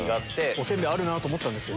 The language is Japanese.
お煎餅あるなと思ったんですよ。